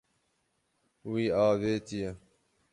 Wî avêtiye.